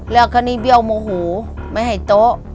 แล้วคณีเบี้ยวโมโหไม่ให้เตาะ